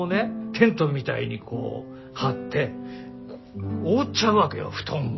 テントみたいにこう張ってこう覆っちゃうわけよ布団を。